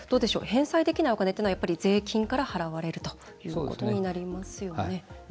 返済できないお金というのは税金から払われるということになりますよね。